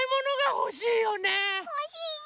ほしいね。